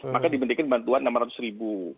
maka dibandingkan bantuan enam ratus ribu